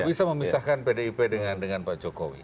bisa memisahkan pdip dengan pak jokowi